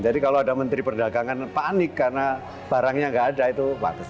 jadi kalau ada menteri perdagangan panik karena barangnya nggak ada itu batas